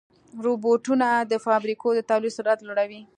روبوټونه د فابریکو د تولید سرعت لوړوي.